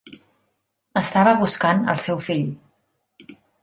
Estava buscant el seu fill.